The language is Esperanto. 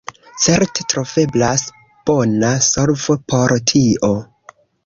Certe troveblas bona solvo por tio.